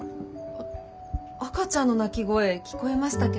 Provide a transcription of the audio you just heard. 赤ちゃんの泣き声聞こえましたけど。